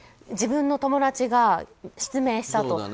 自分の友達が失明したと。